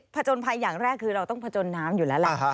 จนภัยอย่างแรกคือเราต้องผจญน้ำอยู่แล้วแหละ